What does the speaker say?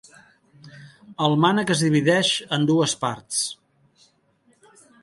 El mànec es divideix en dues parts.